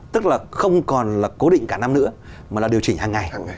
tức là không còn là cố định cả năm nữa mà là điều chỉnh hàng ngày